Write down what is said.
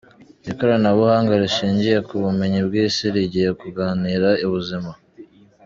Ikoranabuhanga rishingiye ku bumenyi bw’isi rigiye kunganira ubuzima